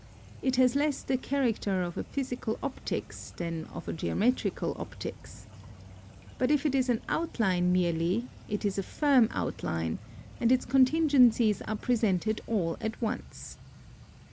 It has less the character of a Physical Optics than of a Geometrical Optics. But if it is an outline merely, it is A firm outline, and its contingencies are presented all at once.